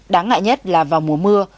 đáng ngại nhất là vào mùa mưa